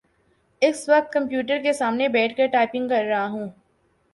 اس وقت کمپیوٹر کے سامنے بیٹھ کر ٹائپنگ کر رہا ہوں۔